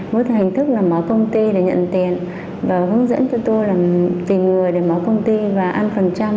muốn thành thức là mở công ty để nhận tiền và hướng dẫn cho tôi là tìm người để mở công ty và ăn phần trăm